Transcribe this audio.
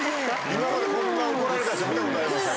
今までこんな怒られた人見たことありません。